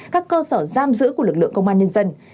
các cơ sở giam giữ của lực lượng công an nhân dân